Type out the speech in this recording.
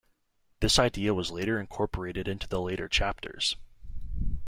This idea was later incorporated into the later chapters.